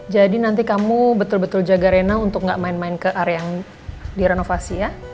jadi nanti kamu betul betul jaga rena untuk enggak main main ke area yang direnovasi ya